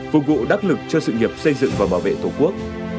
phục vụ đắc lực cho sự nghiệp xây dựng và bảo vệ tổ quốc